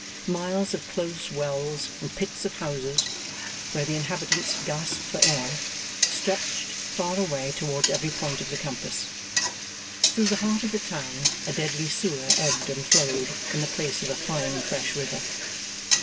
Miles of close wells and pits of houses, where the inhabitants gasped for air, stretched far away towards every point of the compass. Through the heart of the town a deadly sewer ebbed and flowed, in the place of a fine fresh river.